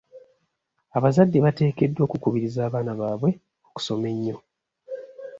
Abazadde bateekeddwa okukubiriza abaana baabwe okusoma ennyo.